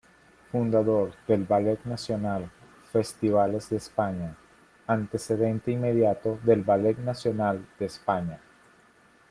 Fundador del Ballet Nacional Festivales de España, antecedente inmediato del Ballet Nacional de España.